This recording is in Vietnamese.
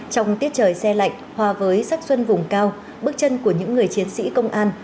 trong tiết trời xe lạnh hòa với sắc xuân vùng cao bước chân của những người chiến sĩ công an